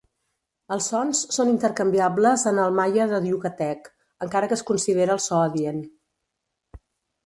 Els sons són intercanviables en el maia de Yucatec, encara que es considera el so adient.